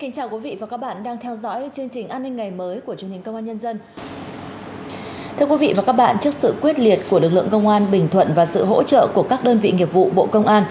các bạn hãy đăng ký kênh để ủng hộ kênh của chúng mình nhé